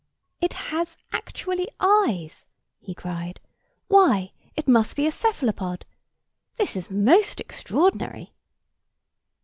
"It has actually eyes!" he cried. "Why, it must be a Cephalopod! This is most extraordinary!"